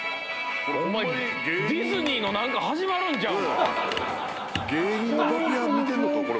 ディズニーの何か始まるんちゃう？